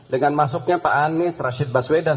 dengan masuknya pak anies rashid baswedan